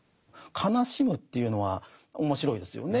悲しむというのは面白いですよね。